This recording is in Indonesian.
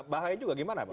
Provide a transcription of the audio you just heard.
bahaya juga gimana pak